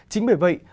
chính bởi vậy